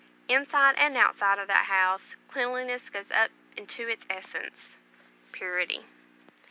Inside and outside of that house cleanliness goes up into its essence, purity.